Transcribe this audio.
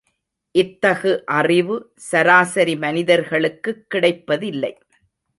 இத்தகு அறிவு, சராசரி மனிதர்களுக்குக் கிடைப்பதில்லை.